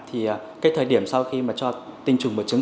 thì cái thời điểm sau khi mà cho tinh trùng bởi chứng